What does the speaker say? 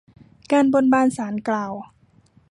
การบนบานศาลกล่าว